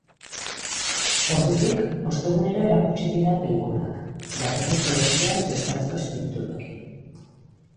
Ordutik, ostegunero erakutsi ditu pelikulak, jatorrizko bertsioan eta euskarazko azpitituluekin.